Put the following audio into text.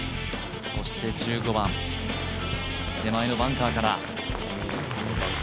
そして１５番、手前のバンカーから。